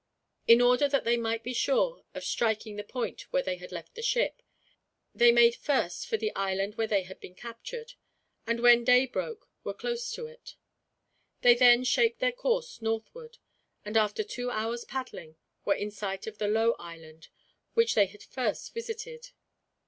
In order that they might be sure of striking the point where they had left the ship, they made first for the island where they had been captured, and when day broke were close beside it. They then shaped their course northwards, and after two hours' paddling were in sight of the low island, which they had first visited.